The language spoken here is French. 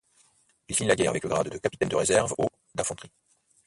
Il finit la guerre avec le grade de capitaine de réserve au d'infanterie.